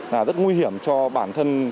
là rất nguy hiểm cho bản thân